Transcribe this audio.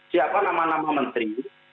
siapa nama nama menteri